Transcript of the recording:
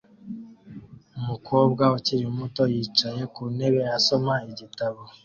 Umukobwa ukiri muto yicaye ku ntebe asoma igitabo